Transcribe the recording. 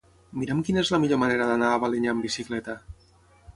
Mira'm quina és la millor manera d'anar a Balenyà amb bicicleta.